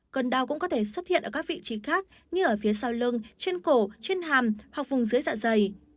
cơn đau cũng có thể xuất hiện ở các vị trí khác như ở phía sau lưng trên cổ trên hàm hoặc vùng dưới dạ dày